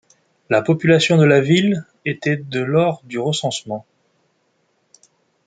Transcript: La population de la ville était de lors du recensement.